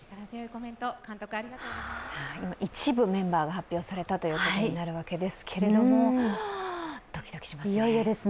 一部メンバーが発表されたということになるわけですが、ドキドキしますね。